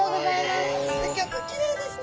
すギョくきれいですね。